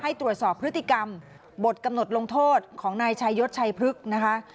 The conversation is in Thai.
ให้ตรวจสอบพฤติกรรมบทกำหนดลงโทษของนายชายศชัยพฤกษ์นะคะ